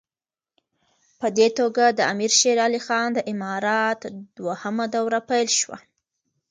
په دې توګه د امیر شېر علي خان د امارت دوهمه دوره پیل شوه.